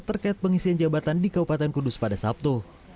terkait pengisian jabatan di kabupaten kudus pada sabtu